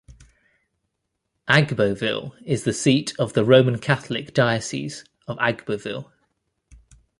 Agboville is the seat of the Roman Catholic Diocese of Agboville.